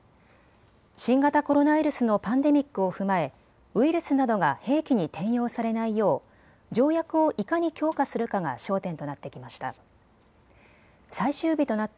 新型コロナウイルスのパンデミックを踏まえウイルスなどが兵器に転用されないよう条約をいかに強化するかが焦点となってきました。